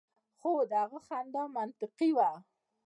خو د هغه خندا منطقي وه